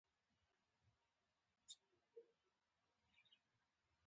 په حصارک کې ډوډۍ ورېدلې ده، ملک ورته وویل.